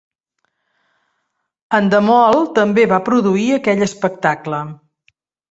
Endemol també va produir aquell espectacle.